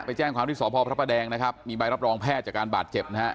แจ้งความที่สพพระประแดงนะครับมีใบรับรองแพทย์จากการบาดเจ็บนะฮะ